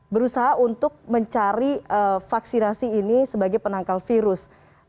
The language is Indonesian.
berusaha untuk mencari vaksinasi ini sebagai penangkal virus